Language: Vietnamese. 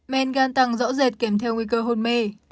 men gan tăng rõ rệt kèm theo nguy cơ hôn mê